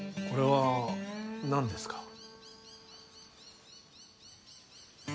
これは、何ですか？